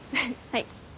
はい。